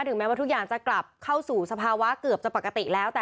แม้ว่าทุกอย่างจะกลับเข้าสู่สภาวะเกือบจะปกติแล้ว